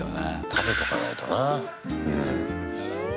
食べとかないとな。